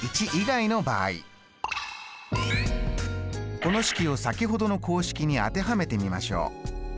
この式を先ほどの公式に当てはめてみましょう。